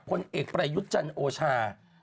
คนเอกประยุจจันโอชา